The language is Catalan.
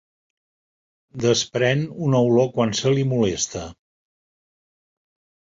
Desprèn una olor quan se li molesta.